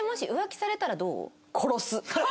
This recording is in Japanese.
殺す！